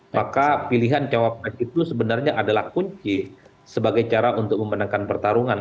maka pilihan cawapres itu sebenarnya adalah kunci sebagai cara untuk memenangkan pertarungan